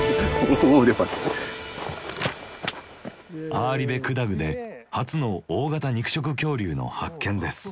アーリベクダグで初の大型肉食恐竜の発見です。